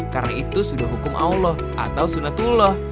karena itu sudah hukum allah atau sunnatullah